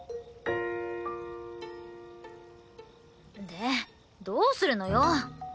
でどうするのよ？